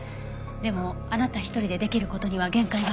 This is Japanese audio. でもあなた一人でできる事には限界があります。